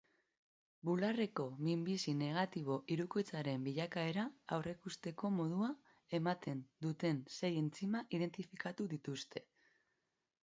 Bularreko minbizi negatibo hirukoitzaren bilakaera aurreikusteko modua ematen duten sei entzima identifikatu dituzte.